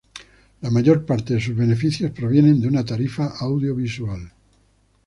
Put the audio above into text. La mayor parte de sus beneficios provienen de una tarifa audiovisual.